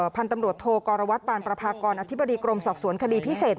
พันธุ์ตำรวจโทกรวัตรบานประพากรอธิบดีกรมสอบสวนคดีพิเศษ